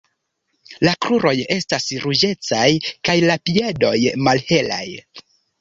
La kruroj estas ruĝecaj kaj la piedoj malhelaj.